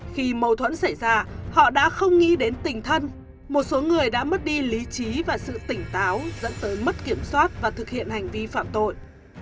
khi mâu thuẫn xảy ra họ đã không nghĩ đến tình thân một số người đã mất đi lý trí và sự tỉnh táo dẫn tới mất kiểm soát và thực hiện hành vi phạm tội